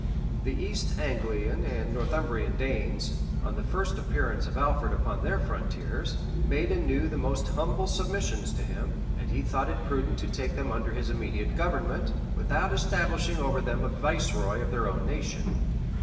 The East Anglian and Northumbrian Danes, on the first appearance of Alfred upon their frontiers, made anew the most humble submissions to him; and he thought it prudent to take them under his immediate government, without establishing over them a viceroy of their own nation.